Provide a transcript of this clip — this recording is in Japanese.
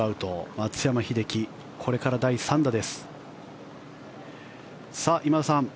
松山英樹、これから第３打です。